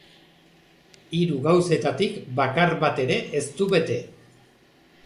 Hiru gauzetatik bakar bat ere ez du bete.